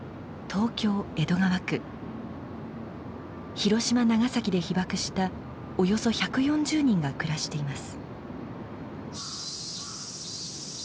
広島長崎で被爆したおよそ１４０人が暮らしています。